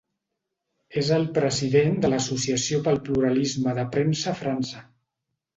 És el president de l'Associació pel Pluralisme de Premsa a França.